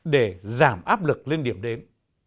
để giảm áp lực lên điểm đến